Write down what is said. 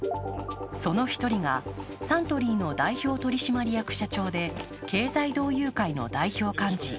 その一人が、サントリーの代表取締役社長で経済同友会の代表幹事